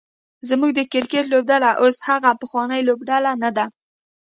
زمونږ د کرکټ لوبډله اوس هغه پخوانۍ لوبډله نده